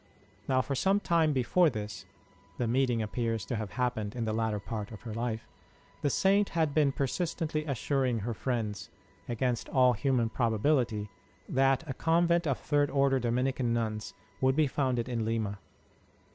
Now, for some time before this (the meeting appears to have happened in the latter part of her life) the Saint had been persistently assuring her friends, against all human probability, that a convent of Third Order Dominican nuns would be founded in Lima.